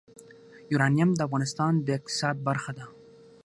یورانیم د افغانستان د اقتصاد برخه ده.